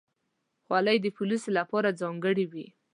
خولۍ د پولیسو لپاره ځانګړې وي.